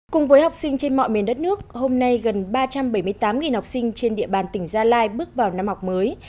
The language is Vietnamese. cùng với học sinh trên mọi miền đất nước hôm nay gần ba trăm bảy mươi tám học sinh trên địa bàn tỉnh gia lai bước vào năm học mới